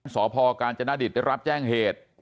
สพกาญจนดิตได้รับแจ้งเหตุ